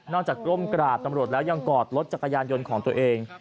จากกล้มกราบตำรวจแล้วยังกอดรถจักรยานยนต์ของตัวเอง